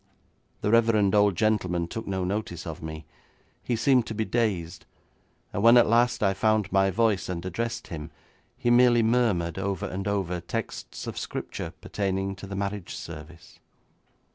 The reverend old gentleman took no notice of me. He seemed to be dazed, and when at last I found my voice and addressed him, he merely murmured over and over texts of Scripture pertaining to the marriage service.